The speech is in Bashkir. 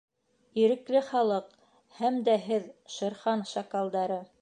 — Ирекле Халыҡ! һәм дә һеҙ, Шер Хан шакалдары!